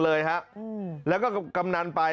และก็กำนันไป